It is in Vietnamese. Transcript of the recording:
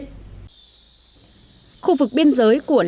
khu vực biên giới của lạng sơn là khu vực biên giới của lạng sơn